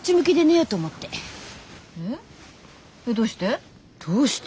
えっえっどうして？